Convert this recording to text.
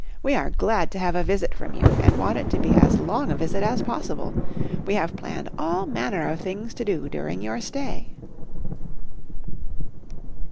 We are glad to have a visit from you and want it to be as long a visit as possible. We have planned all manner of things to do during your stay."